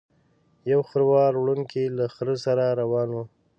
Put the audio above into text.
یو خروار وړونکی له خره سره روان و.